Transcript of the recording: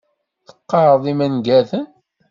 Teqqareḍ imangaten?